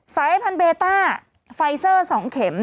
สายพันธุเบต้าไฟเซอร์๒เข็ม